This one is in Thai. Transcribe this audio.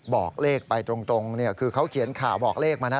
บอกเลขไปตรงเนี่ยคือเขาเขียนข่าวบอกเลขมานะ